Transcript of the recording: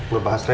mau bahas lain